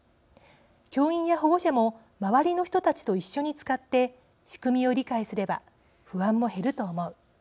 教員や保護者もまわりの人たちと一緒に使って仕組みを理解すれば不安も減ると思う。